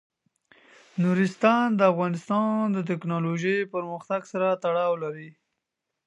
نورستان د افغانستان د تکنالوژۍ پرمختګ سره تړاو لري.